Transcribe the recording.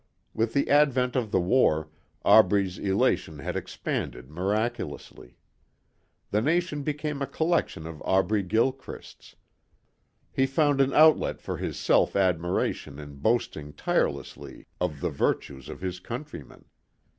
With the advent of the war Aubrey's elation had expanded miraculously. The nation became a collection of Aubrey Gilchrists. He found an outlet for his self admiration in boasting tirelessly of the virtues of his countrymen.